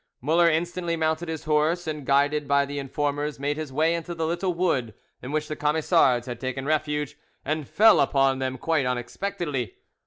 Muller instantly mounted his horse, and guided by the informers made his way into the little wood in which the Camisards had taken refuge, and fell upon them quite unexpectedly.